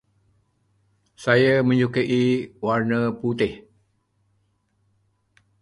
Saya menyukai warna putih.